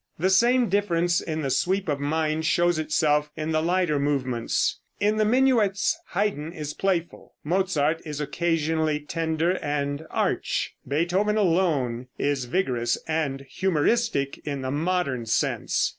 The same difference in the sweep of mind shows itself in the lighter movements. In the minuets Haydn is playful, Mozart is occasionally tender and arch; Beethoven alone is vigorous and humoristic in the modern sense.